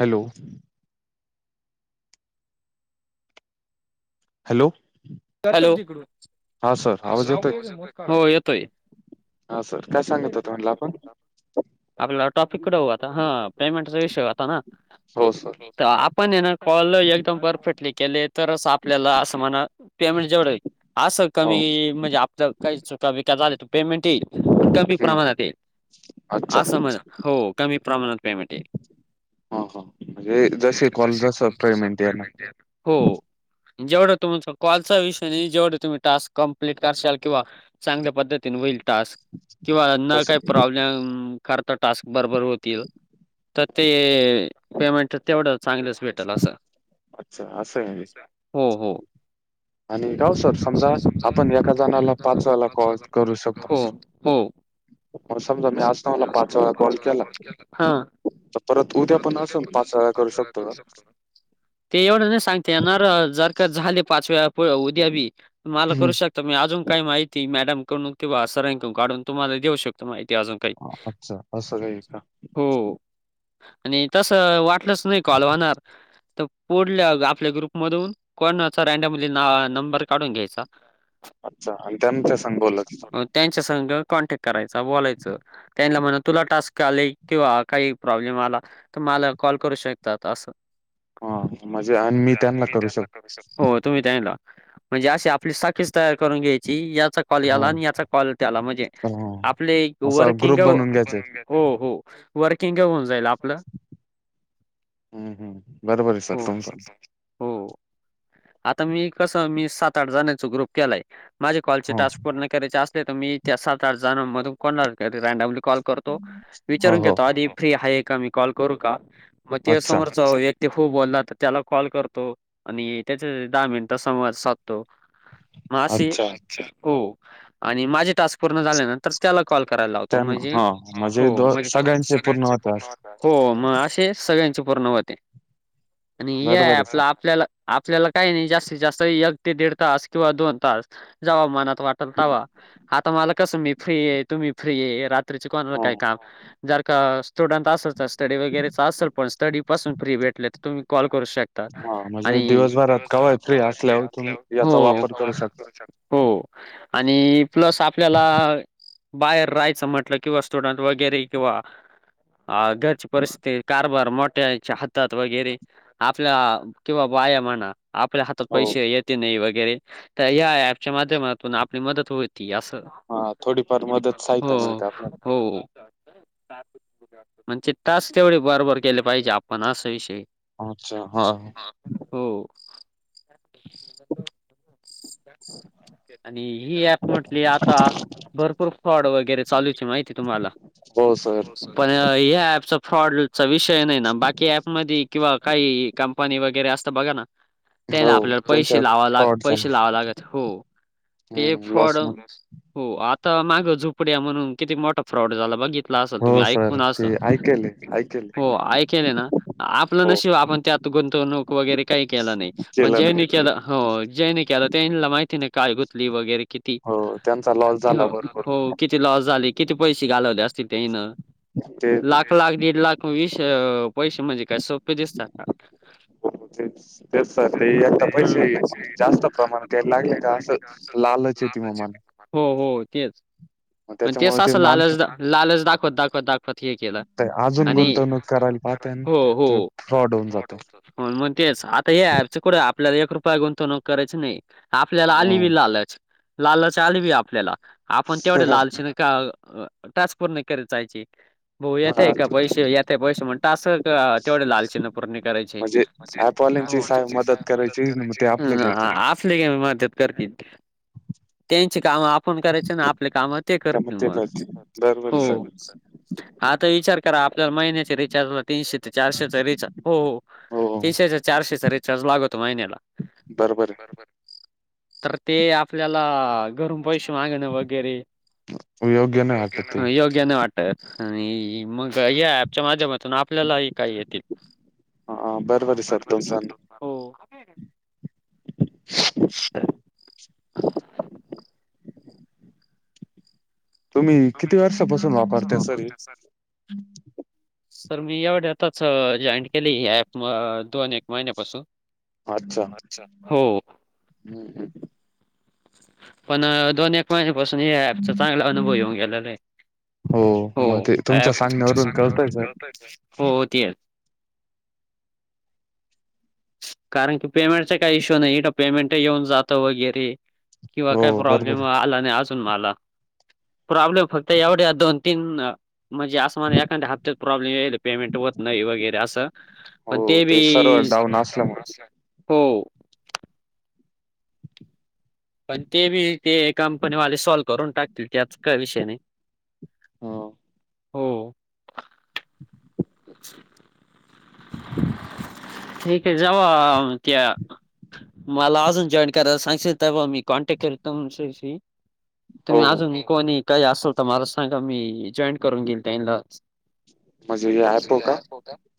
Hello. Hello hello, हो येतोय. हा सर काय सांगत होत म्हणला आपण? आपल्याला टॉपिक कुठे होता? हा पेमेंट चा विषय आता ना. हो सर. तर आपण हे ना कॉल एकदम परफेक्टली केले तरच आपल्याला असं म्हणा पेमेंट जवळ असं कमी म्हणजे आप काही का व काय झालं पेमेंट येईल. कमी प्रमाणात येईल, असं म्हणा हो कमी प्रमाणात पेमेंट येईल हो. जेवढं तुमचं कॉलचा विषय नाही, जेवढे तुम्ही टास्क कम्प्लीट करशाल किंवा चांगल्या पद्धतीने होईल. टास्क किंवा न काही प्रॉब्लेम करता, टास्क बरोबर होतील. तर ते पेमेंट तेवढं चांगलंच. भेटेल असं. हो हो. आणि गाव सर समजा, आपण एका जणाला पाच वेळेला कॉल करू शकतो बर समजा मी आज तुम्हाला पाच वेळा कॉल. केला तर परत उद्या पण असं पाच वेळा करू शकतो का? ते एवढं नाही सांगता येणार, जर का झाले पाच वेळा उद्या बी. मला करू शकता मी अजून काय माहिती मॅडमकडून किंवा सरांकडून काढून तुम्हाला देऊ शक इतर माहिती अजून काही. हो आणि तसं वाटलंच नाही कॉल होणार तर पूढल्या आपल्या ग्रुपमधून कोणाचं रैंडमली ना नंबर काढून घ्यायचा. अच्छा आणि त्यांच्यासंग बोलाय. त्यांच्यासंग कॉन्टॅक्ट करायचा बोलायचं. त्यांना म्हणा तुला टास्क आले किंवा काही प्रॉब्लेम आला. तर मला कॉल करू शकतात असं. हा म्हणजे आणि मी त्यांना करू शक हो तुम्ही त्यांला म्हणजे अशी आपली साकळीच तयार करून घ्यायची याचा. कॉल याला आणि याचा कॉल त्याला, म्हणजे आपले वर्किंग हो हो वर्किंग होऊन जाईल आप हम्म हम्म बरोबर आहे सर तुमच. आता मी कसं मी सात आठ जणांचा ग्रुप केलाय, माझे कॉलचे टास पूर्ण करायचे असले तर मी सात आठ जणांमधून कोणाला तरी रैंडमली. कॉल करतो, विचारून घेतो आधी फ्री आहे का मी कॉल करू का? मग त्या समोरचा व्य तो हो बोलला तर त्याला कॉल करतो आणि. त्याच्यशी दहा मिनीटे तरी संवाद साधतो, मग अशी हो आणि माझे टास्क पूर्ण झाले ना. तरच त्याला कॉल करायला लावतो, म्हणजे हो म्हणजे. हो मग असे सगळ्यांचे पूर्ण होते. आणि हे आहे आपलं आपल्याला आपल्याला काही नाही, जास्तीत जास्त एक ते दीड तास किंवा दोन तास जवा मनात. वाटल तवा आता मला कसं मी फ्री आहे तुम्ही फ्री आहे रात्रीचे कोणाला काय काम जर का स्टुडंट असेल तर स्टडी वगैरेचा असेल, पण स्टडीपास फ्री भेटले तर तुम्ही कॉल करू शक आणि हो. हो आणि प्लस आपल्याला. बाहेर राहायचं म्हंटलं किंवा स्टुडंट वगैरे किंवा अ घरची परिस्थिती कारभार मोठ्याच्या हातात वगैरे आपल्या किंवा बाया म्हणा, आपल्या हातात पैसे येत क्य नाही वगैरे तर ह्या ॲपच्या माध्यमातून आपली मदत होई ति असं, हो हो, हो हो. म्हणजे टास्क तेवढे बरोबर केले पाहिजे आपण, असा विषयहे. अच्छा हो हो. हो. म तो [unintelligible] आणि हि ॲप म्हटली आता भरपूर फ्रौड वगैरे चालूची माहिती तुम्हाला. पण ह्या ऍपचा फ्रॉडचा विषय नाही ना, बाकी ऍपमध्ये किंवा काही काम कोणी असतं बघा ना, तेव्हा आपल्याला पैसे वगैरे लावावे लागत पैशे लावावे लागत हो त ते फ्रौड हो आता मागं झुपड्या म्हणून किती मोठा फ्रॉड झाला बघित असल तुम्ही ऐकून असं, हो ऐकेले ना. आपलं नशिब आपण त्यात गुंतवणूक वगैरे काही केल नाही, पण ज्यांनी केलं हो जेने केला त्यानीला माहिती नाही काय गुतली वगैरे किती हो किती लॉस झाले? किती पैसे घालवले असतील त्यांनी ना? लाख, लाख दीड लाख वीस पैसे म्हणजे काय सोपे दिसतात? हो, तेच, तेच ते आता पैसे प्रमाला काही लागले काय लांबच होती. म [unintelligible] हो, हो, तेच मग तेच असं लालच, लालच दाखवत दाखवत दाखवत हे केलं आणि [unintelligible] हो हो हो, मग तेच आता या ऍपच कुठं आपल्याला एक रुपया गुंतवणूक करायची नाही. आपल्याला आली बी लालच, लालच आली बी आपल्याला आपण तेवढे लालची ने का टास्क पूर्ण करत जायचे भाऊ येत आहे का, पैसे येत आहे पैसे म्हणत अस टास्क तेवढं लालशाई पूर्ण करायचे. म्हणजे काय बोलायचे सांग मदत करायचीय, अ अह आपले का मदत करतील त्यांची काम आप फोन करायचे ना आपले काम ते करतील मग हो आता. विचार करा आपल्याला महिन्याच्या रिचार्जला तीनशे ते चारशेचा रिचार्ज हो हो तीनशे ते चारशेचा रिचार्ज लागतो महिन्याला दर बरे, तर ते आपल्याला घरून पैसे, मागणं वगैरे योग्या योग्या नाही वाटत. ॲप आणि ही, ही मग या ॲप. च्या माध्यमातून आपल्याला काही येत [inaudible] हो. [unintelligible] तुम्ही किती वर्षापासून वापरता सर हे? सर मी एवढ्यातच जॉईन केली हि ऍप दोन एक महिन्यापासून अच्छा. हो. [inaudible] पण दोन एक महिन्यापासून या ऍपचा चांगला अनुभव येऊन गेलेला आहे होय [unintelligible] कारण की पेमेंटचा काही इश्यू नाही पेमेंट येऊन जातं वगैरे. किंवा काय प्रॉब्लेम आला नाही आज. मला प्रॉब्लेम फक्त एवढ्या दोन तीन म्हणजे असं म्हण एखाद्या हप्त्या प्रॉब्लेम यायलय पेमेंट होत नाही, वगैरे असं पण ते बी हो. पण ते बी ते कंपनीवाले सॉल् करून टाकतील त्याच का विषय नाही. हो. हो ठीक आहे जाव त्या मला अजून जॉईन करायला सांगशील तेव्हा मी कॉन्टॅक्ट करतशी तुम्ही अजून कोणी काही असल तर मला सांगा मी जॉईन करून घेल त्यांना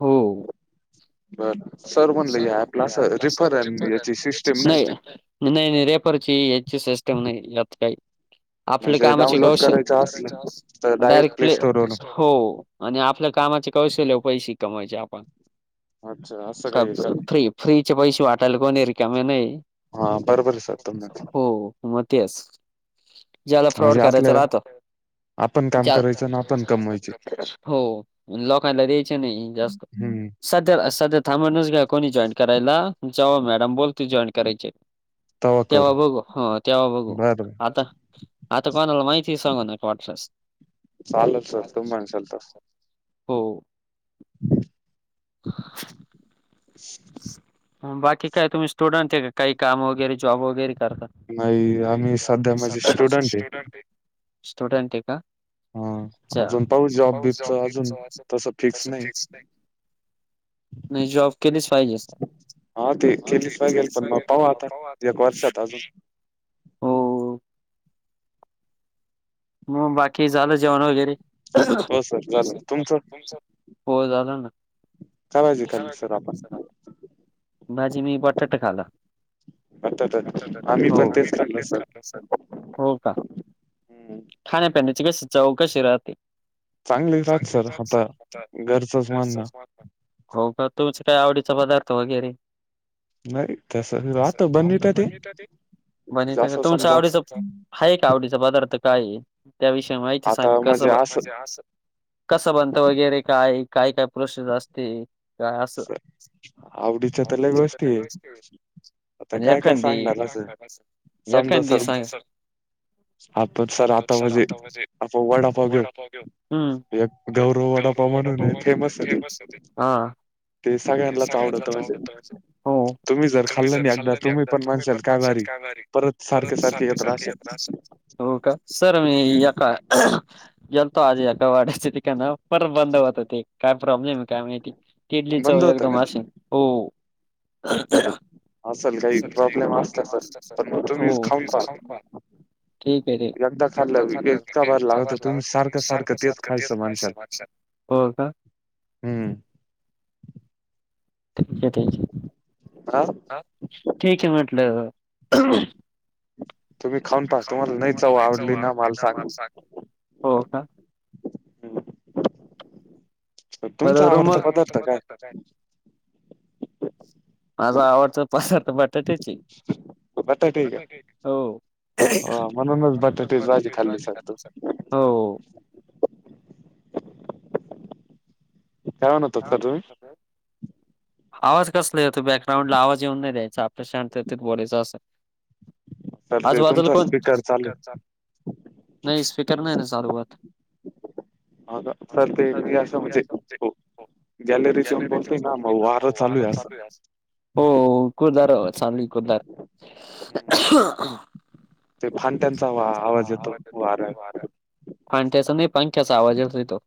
हो. सर म्हणत्यात [unintelligible] नि ने ही रेफरची याची सिस्टम नाही यात काही आपले कामाचे कौश डायरेक्ट प्ले हो, आणि आपल्या कामाच्या कौशल्य वर पैसे कमवायचे आपण. फ्री फ्रीचे पैसे वाटायला कोणी रिकाम नाही हो, मग तेच. ज्याला फ्रॉड करायचं राहतो ज्या हो, लोकांनाला द्यायच नाही जास्त, सध्या सध्या थांबणस घ्या कोणी जॉईन करायला जव्हा मॅडम बोलनील तू जॉईन करायचे तेव्हा बघू, हो तेव्हा बघू आता? आता कोणाला माहिती सांगना कॉटर्स. चालल सर, तुम्ही म्हणसाल तसं. हो. [inaudible] बाकी काय तुम्ही स्टुडंट आहे का, काही काम वगैरे जॉब वगैरे करता? नाही जात नाही सध्या तरी स्टुडंट आहे, स्टुडंट आहे का? च्या [unintelligible] नाही जॉब केलीच पाहिजे. हा ते केलीच लागेल पण पाहू आता, एक वर्षात अजून. हो. मग बाकी झालं जेवाण वगैरे? हो झालं ना. काय भाजी खाल्ली सर आपण? भाजी मी बटाटा खाला. बटाटा हो. आम्ही पण तेच खाल्ल सर. हो का. खाण्यापिण्याची कशी चव कशी राहते. चांगली राहती सर आता घरचंच म्हणनं. हो का तोच काय आवडीचा पदार्थ वगैरे? नाही तसबी राहत बंदित ते. बनवता का? तुमचं आवडीचं, हाय का आवडीचा पदार्थ काय हाय त्याविषयी माहिती सांग कस ब, [unintelligible] असं. कसं बनत वगैरे काय काय काय प्रोसेस असते? काय असं, आवडीच आता [unintelligible] आन एखांदी एखांदी सांग. हा पण सर आता म्हजे, आपण वडापाव घेऊ. एक गौरव वडापाव म्हणून हाय फेमस हाय ते. हा. हो. तुम्ही जर खाल्लं एकदा तुम्ही पण माशाच खाणारी. परत सारखं सारखं घेत राहसाल. हो का, सर मी एका गेलतो आज एका वाड्याची ठिकाण पर बंद होत ते काय प्रॉब्लेम आहे काय माहिती? किडली चव एकदम अशी हो. असल काही प्रॉब्लेम असत सर. हो, तुम्हीच खाऊन पाहा. ठीक आहे ते. एकदा चाललती एकचा भरलाव, तुम सारखं सारखं तेच [unintelligible] काय हो का. हम्म. [inaudible] [inaudible] हां, ठीक आहे म्हटलं. तुम्ही खाऊ पहा, तुम्हाला नाही चव आवडली ना माल सांगा. हो का. बरं मग [unintelligible] काय? माझा आवडतं [unintelligible] बटाट्याची. बटाटे हो. हा. [inaudible] आवाज कसला येतो बॅकग्राउंडला आवाज येऊ नाही द्यायचा. आपल्या शांतेत बोलायचं असं. हा आजूबाजूला कोण तुमचा स्पीकर चालू स्पीकरचा, नाही स्पीकर नाही ना चालू होत. आता सर ते या अस म्हजे हो. गॅलरी तऊन बोलतय ना मग वार चालू आहे असं हो कुर्दार चांगली कुर्दार अह ते फानट्यांचा आवाज येतो वार् फांत्या्च नाही पंख्याचा आवाज येतो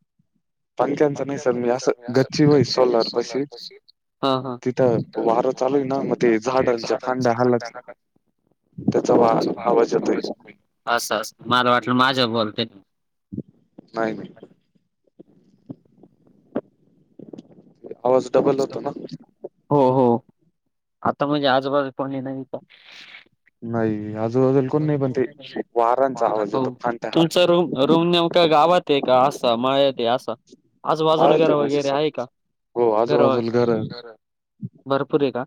पंचचा नाही सर सकाळ सकाळी असं [unintelligible] सोलारपशी [inaudible] वार चालु ना होते झाड [unintelligible] त्याचा वा आवाज येतोय असं असं मला वाटलं माझ्या बोलते नाही आवाज हो हो आता म्हणजे आजूबाजू पूर्ण नाही का नाही आजूबाजू तुमचा रूम रूम न का गावात आहे का असा माळ्यात असा आजूबाजूला घर वगैरे आहे का दरवा भरपूर आहे का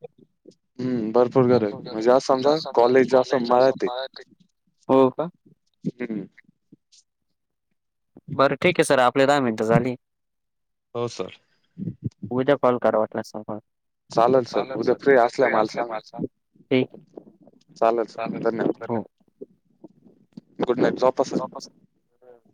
हम्म भरपूर गर आहे म्हणजे आज समजा कॉलेज असं मळ्यात आहे हो का हम्म बरं ठीक आहे सर आपले दहा मिनटं झाली हो सर उद्या कॉल करा वाटला सांग चालेल सर उद्या फ्री असल्या मला सांगा चाले ल सर धन्यवाद गुड नाईट [unintelligible] [unintelligible]